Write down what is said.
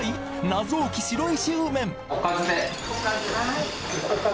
謎多き白石温麺